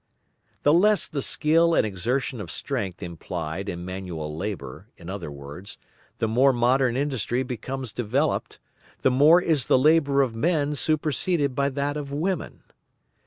The less the skill and exertion of strength implied in manual labour, in other words, the more modern industry becomes developed, the more is the labour of men superseded by that of women.